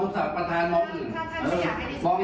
คุณเอกเป็นรบกวนประธานตรงโทรศัพท์หรือตรงไหน